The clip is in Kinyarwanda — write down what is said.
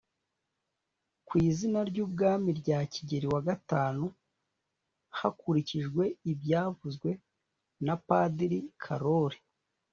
ku izina ry ubwami rya kigeri v hakurikijwe ibyavuzwe na padiri karori